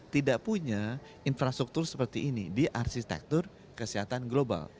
tidak punya infrastruktur seperti ini di arsitektur kesehatan global